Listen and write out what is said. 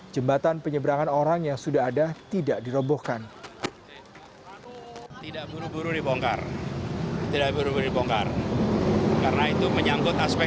jembatan penyeberangan orang yang sudah ada tidak dirobohkan